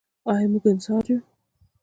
آیا موږ انصار یو؟